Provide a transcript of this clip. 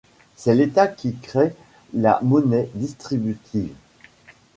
C'est l'État qui crée la monnaie distributive.